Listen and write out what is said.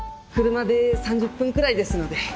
車で３０分くらいですので。